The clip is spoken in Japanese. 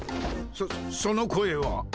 そっその声は。